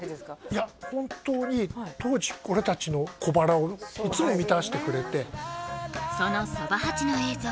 いや本当に当時俺達の小腹をいつも満たしてくれてそのそば八の映像